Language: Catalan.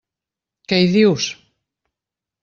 Què hi dius?